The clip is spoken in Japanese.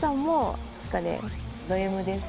ドＭです。